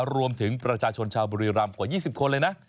รวมถึงประชาชนชาวบุรีรำกว่า๒๐คนเลยนะ